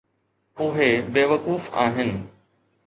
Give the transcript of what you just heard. اهي بيوقوف آهن.